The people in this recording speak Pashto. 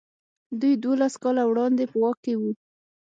دوی دولس کاله وړاندې په واک کې وو.